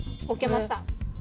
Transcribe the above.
置けました。